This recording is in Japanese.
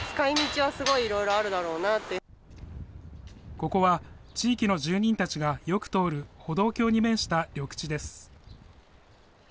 ここは、地域の住人たちがよく通る歩道橋に面した緑地です。